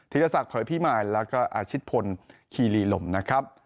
ถิศศัตริย์ภรรยพิมัยแล้วก็อ่าจิตพลคีรีหลมนะครับ